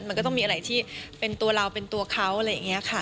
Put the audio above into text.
มันก็ต้องมีอะไรที่เป็นตัวเราเป็นตัวเขา